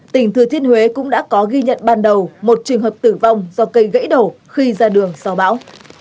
tỉnh thừa thiên huế cũng đã có ghi nhận ban đầu một trường hợp tử vong do cây gãy đổ khi ra đường sau bão